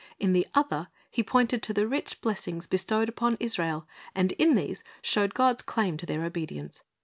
In the other, He pointed to the rich blessings bestowed upon Israel, and in these showed God's claim to their obedience.